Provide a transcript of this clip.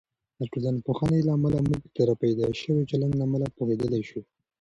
د ټولنپوهنې له امله، موږ د راپیدا شوي چلند له امله پوهیدلی شو.